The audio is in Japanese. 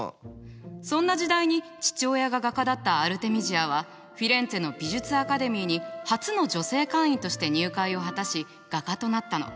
そんな時代に父親が画家だったアルテミジアはフィレンツェの美術アカデミーに初の女性会員として入会を果たし画家となったの。